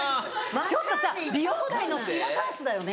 ちょっとさ美容界のシーラカンスだよね。